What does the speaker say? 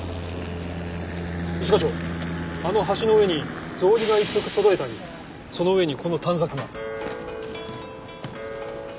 一課長あの橋の上に草履が一足そろえてありその上にこの短冊が。